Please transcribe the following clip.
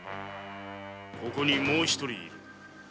ここにもう一人いる。